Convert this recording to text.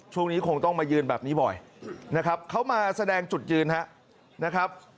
ช่วงนี้คงต้องมายืนแบบนี้บ่อยนะครับเขามาแสดงจุดยืนนะครับ